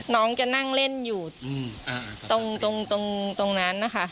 น้องจะนั่งเล่นอยู่ตรงนั้นนะคะ